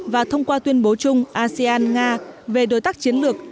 và thông qua tuyên bố chung asean nga về đối tác chiến lược